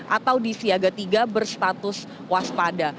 atau di siaga tiga berstatus waspada